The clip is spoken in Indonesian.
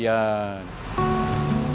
mereka yang sudah menyelesaikan